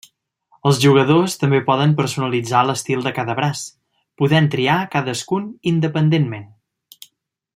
Els jugadors també poden personalitzar l'estil de cada braç, podent triar cadascun independentment.